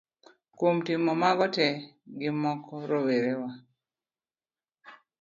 Kuom timo mago tee gi moko, rowere wa